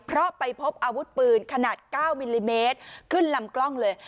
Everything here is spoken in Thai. เพราะไปพบอาวุธปืนขนาด๙มิลลิเมตรขึ้นลำกล้องเลย